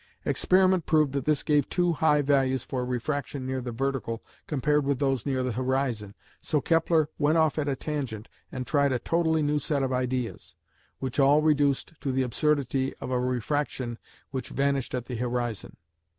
Experiment proved that this gave too high values for refraction near the vertical compared with those near the horizon, so Kepler "went off at a tangent" and tried a totally new set of ideas, which all reduced to the absurdity of a refraction which vanished at the horizon.